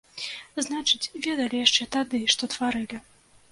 Значыць, ведалі яшчэ тады, што тварылі!